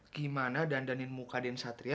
gimana dandanin muka den satria